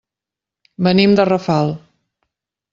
Venim de Rafal.